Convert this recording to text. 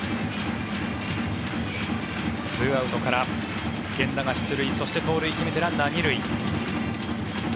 ２アウトから源田が出塁そして盗塁を決めてランナー２塁。